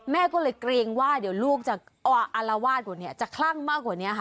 แม่ก็เลยเกรงว่าเดี๋ยวลูกจะอารวาสกว่านี้จะคลั่งมากกว่านี้ค่ะ